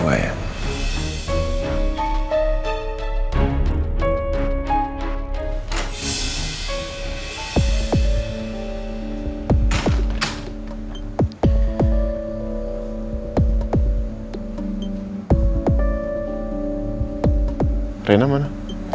gue udah gak bisa lagi